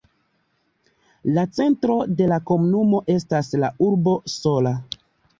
La centro de la komunumo estas la urbo Sola.